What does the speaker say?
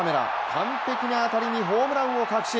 完璧な当たりにホームランを確信。